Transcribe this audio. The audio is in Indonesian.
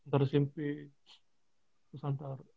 mungkin karena sering ada pertandingan turnamen gitu ya